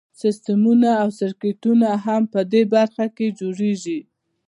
سیسټمونه او سرکټونه هم په دې برخه کې جوړیږي.